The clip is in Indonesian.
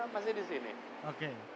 masih di sini oke